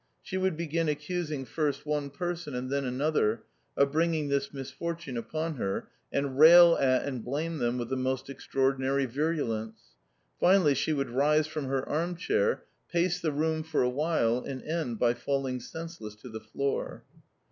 She would begin accusing first one person, and then another, of bringing this misfortune upon her, and rail at and blame them with the most extraordinary virulence. Finally she would rise from her arm chair, pace the room for a while, and end by falling senseless to the floor.